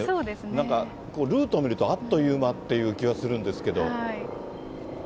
なんか、ルート見ると、あっという間っていう気がするんですけれども。